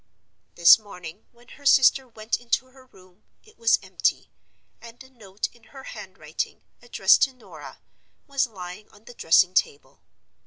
"This morning, when her sister went into her room, it was empty, and a note in her handwriting, addressed to Norah, was lying on the dressing table.